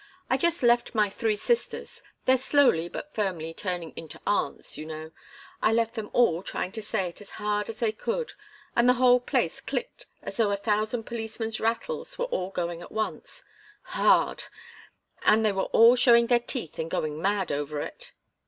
I just left my three sisters they're slowly but firmly turning into aunts, you know I left them all trying to say it as hard as they could, and the whole place clicked as though a thousand policemen's rattles were all going at once hard! And they were all showing their teeth and going mad over it."